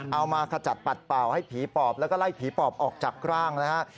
มาขจัดปัดเป่าให้ผีปอบแล้วก็ไล่ผีปอบออกจากร่างนะฮะ